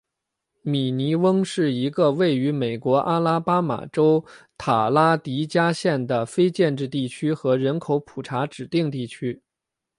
米尼翁是一个位于美国阿拉巴马州塔拉迪加县的非建制地区和人口普查指定地区。